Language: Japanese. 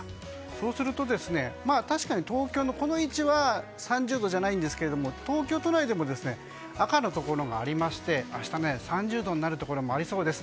そうすると、確かに東京のこの位置は３０度じゃないんですけれども東京都内でも赤のところがありまして明日、３０度になるところもありそうです。